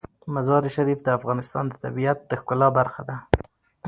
مزارشریف د افغانستان د طبیعت د ښکلا برخه ده.